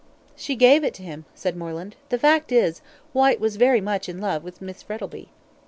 "She gave it to him," said Moreland. "The fact is, Whyte was very much in love with Miss Frettlby."